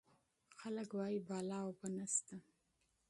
خلک وايي اضافي اوبه نشته.